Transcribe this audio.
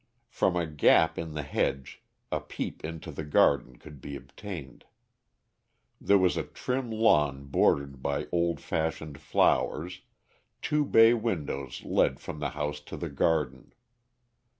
From a gap in the hedge a peep into the garden could be obtained. There was a trim lawn bordered by old fashioned flowers, two bay windows led from the house to the garden.